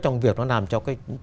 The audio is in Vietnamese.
trong việc nó làm cho